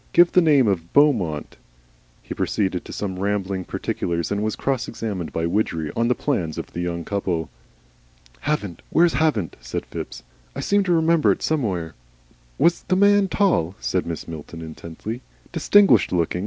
Give the name of Beaumont." He proceeded to some rambling particulars, and was cross examined by Widgery on the plans of the young couple. "Havant! Where's Havant?" said Phipps. "I seem to remember it somewhere." "Was the man tall?" said Mrs. Milton, intently, "distinguished looking?